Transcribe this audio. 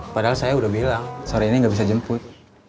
padahal saya udah bilang sore ini nggak bisa jemput